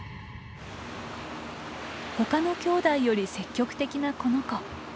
他のきょうだいより積極的なこの子。